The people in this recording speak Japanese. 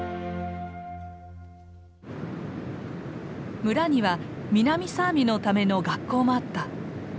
村には南サーミのための学校もあった。